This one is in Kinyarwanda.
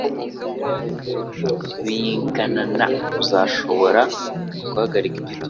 bingana na uzashobora guhagarika igitugu cye